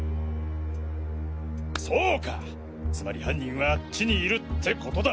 そうかつまり犯人はあっちにいるってことだ！